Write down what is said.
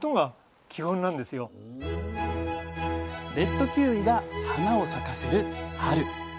レッドキウイが花を咲かせる春。